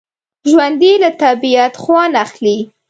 ژوندي له طبعیت خوند اخلي